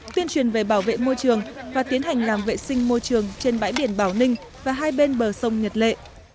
tuyên truyền về bảo vệ môi trường và tiến hành làm vệ sinh môi trường trên bãi biển bảo ninh và hai bên bờ sông nhật lệ